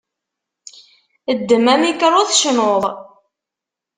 Ddem amikru, tecnuḍ.